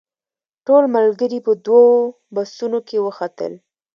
ټول ملګري په دوو بسونو کې وختل.